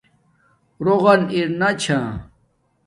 روغن ارنا چھا